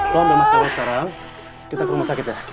lo ambil maskara sekarang kita ke rumah sakit ya